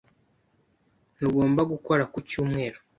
Ntugomba gukora ku cyumweru.